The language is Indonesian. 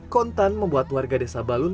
kontan membuat warga desa balun